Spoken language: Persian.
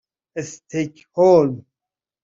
استکهلم